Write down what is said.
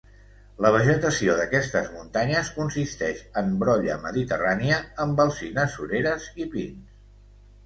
La vegetació d'aquestes muntanyes consisteix en brolla mediterrània, amb alzines sureres i pins.